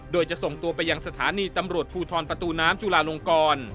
โดยจะส่งตัวไปยังสถานีตำรวจภูทรประตูน้ำจุลาลงกร